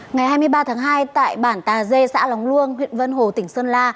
ngày hai mươi ba tháng hai tại bản tà dê xã lóng luông huyện vân hồ tỉnh sơn la